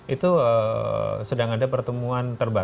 itu sedang ada pertemuan terbaru